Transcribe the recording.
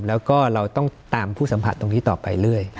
แล้วก็เราต้องตามผู้สัมผัสตรงนี้ต่อไปเรื่อย